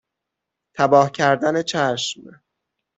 تباه کردن چشم